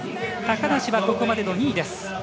高梨はここまでの２位です。